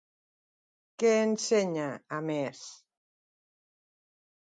Què ensenya, a més?